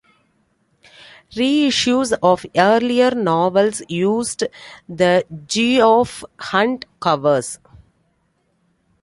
Reissues of earlier novels used the Geoff Hunt covers.